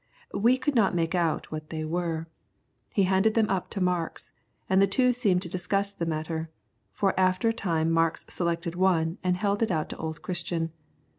We could not make out what they were. He handed them up to Marks, and the two seemed to discuss the matter, for after a time Marks selected one and held it out to old Christian.